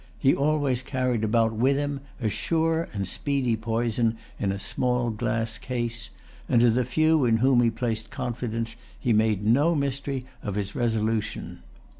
He always carried about with him a sure and speedy poison in a small glass case; and to the few in whom he placed confidence he made no mystery of his resolution.